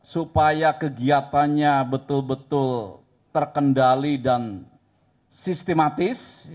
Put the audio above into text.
supaya kegiatannya betul betul terkendali dan sistematis